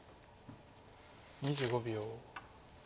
２５秒。